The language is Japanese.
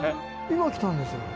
今来たんですよ。